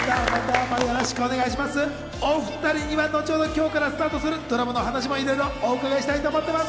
お２人には後ほど今日からスタートするドラマの話もいろいろ伺いたいと思います。